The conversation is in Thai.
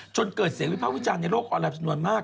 จนเกิดเสียงวิภาควิจารณ์ในโลกออนไลนจำนวนมาก